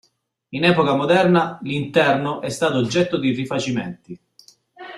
In epoca moderna l'interno è stato oggetto di rifacimenti.